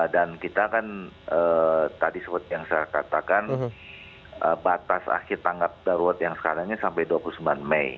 dan kita kan tadi seperti yang saya katakan batas akhir tanggal darurat yang sekarang ini sampai dua puluh sembilan mei